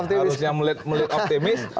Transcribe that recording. harusnya melihat optimis